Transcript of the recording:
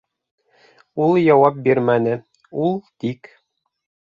Ул яуап бирмәне, ул тик: